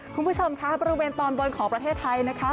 คุณผู้ชมคะบริเวณตอนบนของประเทศไทยนะคะ